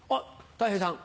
たい平さん。